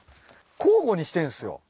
交互にしてんすよ。